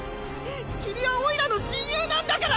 君はおいらの親友なんだから！